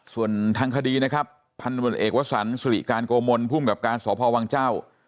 ส่วนทางคดีนะครับพันธุ์บริเวศรศรีการโกมนภูมิกับการสอบภาววังเจ้า